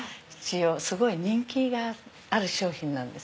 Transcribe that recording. すごい人気がある商品なんです。